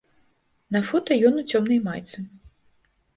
На фота ён у цёмнай майцы.